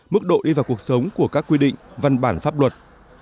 mức độ đi vào cuộc sống của các quy định văn bản pháp luật